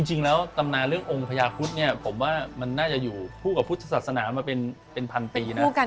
จริงแล้วตำนานเรื่ององค์พญาคุธเนี่ยผมว่ามันน่าจะอยู่คู่กับพุทธศาสนามาเป็นพันปีนะ